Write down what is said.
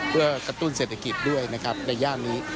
เพื่อกระตุ้นเศรษฐกิจด้วยนะครับในย่านนี้